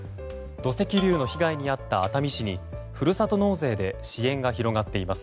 土石流の被害にあった熱海市にふるさと納税で支援が広がっています。